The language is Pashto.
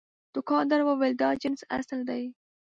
دوکاندار وویل دا جنس اصل دی.